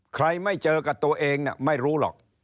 ไม่เจอกับตัวเองไม่รู้หรอก